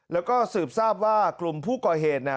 แล้วก็สืบทราบว่ากลุ่มผู้ก่อเหตุเนี่ย